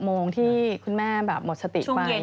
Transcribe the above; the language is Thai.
โมงที่คุณแม่แบบหมดสติไป